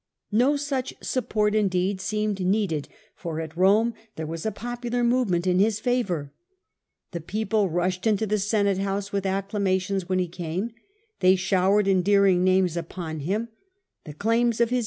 No such support, indeed, seemed needed, for at Rome there was a popular movement in his favour. The people rushed into the Senate House with acclamations when he came, they showered endearing names upon him, the claims of his